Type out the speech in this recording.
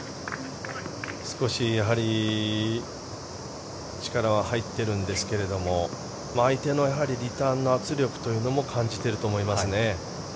少し力は入ってるんですけど相手のリターンの圧力というのも感じていると思いますね。